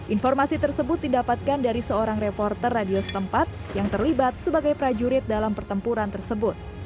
informasi tersebut didapatkan dari seorang reporter radio setempat yang terlibat sebagai prajurit dalam pertempuran tersebut